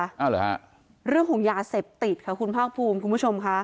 เอาเหรอฮะเรื่องของยาเสพติดค่ะคุณภาคภูมิคุณผู้ชมค่ะ